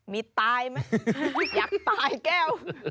มีตายไหมอยากตายแก้ว